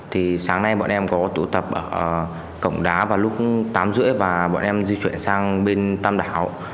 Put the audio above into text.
thì sáng nay bọn em có tụ tập ở cổng đá vào lúc tám h ba mươi và bọn em di chuyển sang bên tam đảo